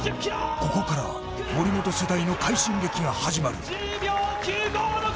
ここから森本世代の快進撃が始まる。